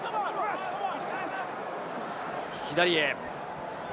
左へ。